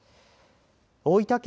大分県